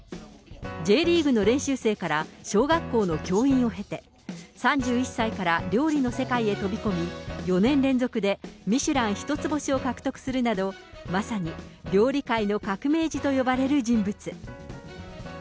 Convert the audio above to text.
Ｊリーグの練習生から小学校の教員を経て、３１歳から料理の世界へ飛び込み、４年連続でミシュラン１つ星を獲得するなど、まさに料理界の革命児と呼ばれる人物。